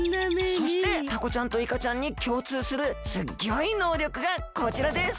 そしてタコちゃんとイカちゃんにきょうつうするすっギョいのうりょくがこちらです！